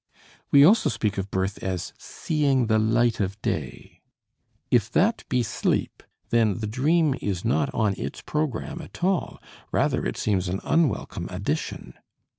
We also speak of birth as "seeing the light of day." If that be sleep, then the dream is not on its program at all, rather it seems an unwelcome addition.